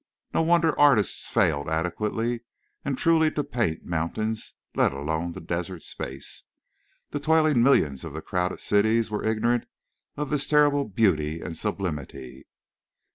No wonder artists failed adequately and truly to paint mountains, let alone the desert space. The toiling millions of the crowded cities were ignorant of this terrible beauty and sublimity.